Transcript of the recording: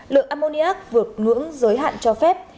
lượng ammoniac vượt ngưỡng giới hạn cho phép